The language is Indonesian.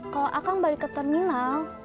kalo akang balik ke terminal